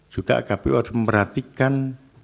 juga kpu harus memperhatikan